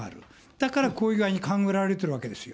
だからこういう具合に勘繰られてるわけですよ。